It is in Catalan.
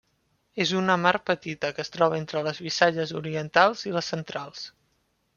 És una mar petita que es troba entre les Visayas Orientals i les Centrals.